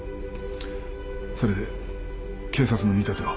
それで警察の見立ては？